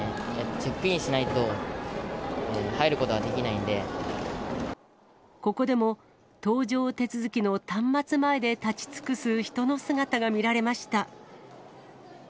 チェックインしないと、ここでも、搭乗手続きの端末前で立ち尽くす人の姿が見られました。